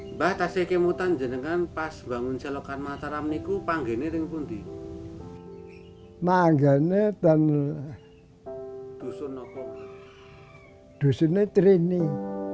mbah taseke mutan jadikan pas bangun selokan mataram itu panggilan yang penting